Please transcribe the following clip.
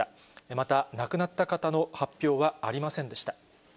また、亡くなった方の発表はありませんでした。